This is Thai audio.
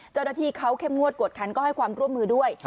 เจ้าหน้าที่เขาเข้มงวดกวดคันก็ให้ความร่วมมือด้วย